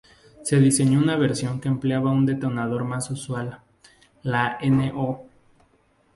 Se diseñó una versión que empleaba un detonador más usual, la No.